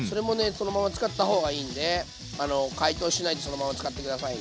そのまま使った方がいいんで解凍しないでそのまま使って下さいね。